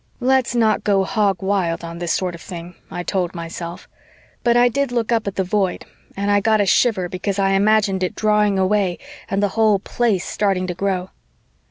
"Let's not go hog wild on this sort of thing," I told myself, but I did look up at the Void and I got a shiver because I imagined it drawing away and the whole Place starting to grow.